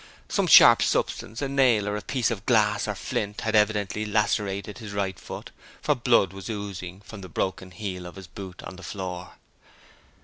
Some sharp substance a nail or a piece of glass or flint had evidently lacerated his right foot, for blood was oozing from the broken heel of his boot on to the floor.